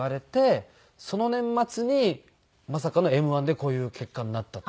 その年末にまさかのＭ−１でこういう結果になったっていう。